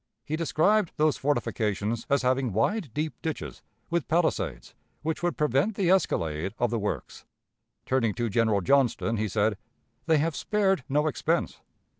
He described those fortifications as having wide, deep ditches, with palisades, which would prevent the escalade of the works. Turning to General Johnston, he said, "They have spared no expense."